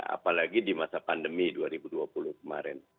apalagi di masa pandemi dua ribu dua puluh kemarin